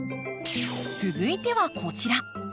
続いてはこちら。